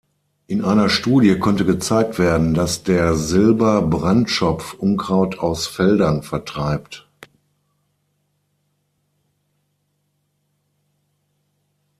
In einer Studie konnte gezeigt werden, dass der Silber-Brandschopf Unkraut aus Feldern vertreibt.